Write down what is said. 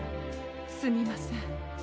すみません。